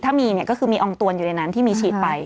ถ้ามีก็คือมีองค์ตัวอยู่ในนั้นที่มีฉีดไป